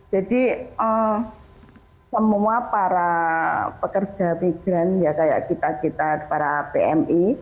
jadi semua para pekerja migran ya kayak kita kita para pmi